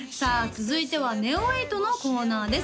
続いてはＮＥＯ８のコーナーです